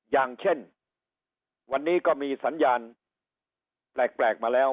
อย่างเช่นวันนี้ก็มีสัญญาณแปลกมาแล้ว